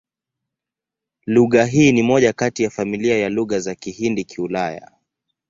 Lugha hii ni moja kati ya familia ya Lugha za Kihindi-Kiulaya.